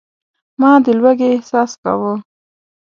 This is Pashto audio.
ما د لوږې احساس کاوه.